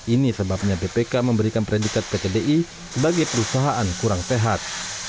ini sebabnya bpk memberikan predikat pt di sebagai perusahaan kurang sehat